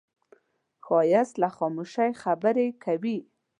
ښایست له خاموشۍ خبرې کوي